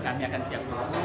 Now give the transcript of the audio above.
kami akan siapkan